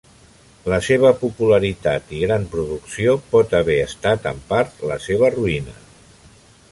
La seva popularitat i gran producció pot haver estat en part la seva ruïna.